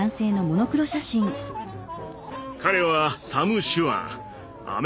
彼はサム・シュアン。